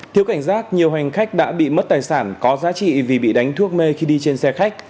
thiếu cảnh giác nhiều hành khách đã bị mất tài sản có giá trị vì bị đánh thuốc mê khi đi trên xe khách